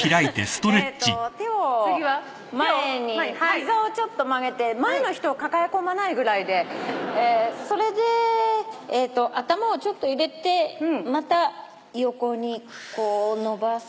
手を前に膝をちょっと曲げて前の人を抱え込まないぐらいでそれで頭をちょっと入れてまた横にこう伸ばす。